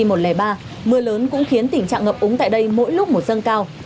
mưa lớn cũng khiến tình trạng ngập úng tại đây mỗi lúc một dâng cao